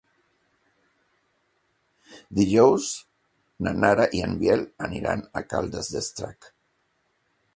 Dijous na Nara i en Biel aniran a Caldes d'Estrac.